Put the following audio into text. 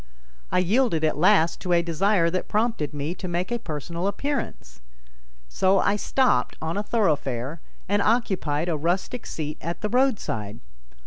I yielded at last to a desire that prompted me to make a personal appearance. So I stopped on a thoroughfare and occupied a rustic seat at the roadside.